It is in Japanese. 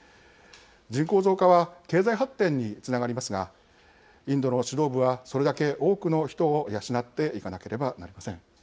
人口増加は経済発展につながりますがインドの指導部はそれだけ多くの人を養っていかなければいけません。